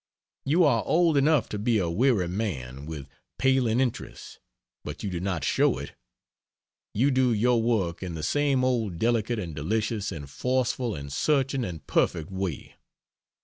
You are old enough to be a weary man, with paling interests, but you do not show it. You do your work in the same old delicate and delicious and forceful and searching and perfect way.